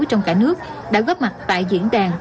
trong cả nước đã góp mặt tại diễn đàn